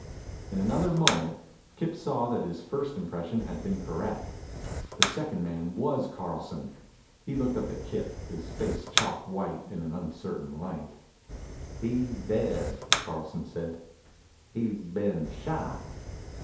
In another moment, Kip saw that his first impression had been correct. The second man was Carlson. He looked up at Kip, his face chalk white in the uncertain light. "He's dead," Carlson said. "He's been shot."